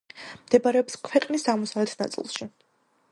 მდებარეობს ქვეყნის აღმოსავლეთ ნაწილში.